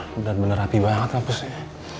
bener bener hati banget hapusnya